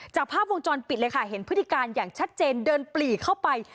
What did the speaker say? จากภาพวงจรปิดเลยค่ะเห็นพฤติการอย่างชัดเจนเดินปลีเข้าไป